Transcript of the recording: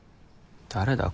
誰だ？